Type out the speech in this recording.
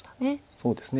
そうですね。